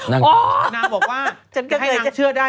นางบอกว่าให้นางเชื่อได้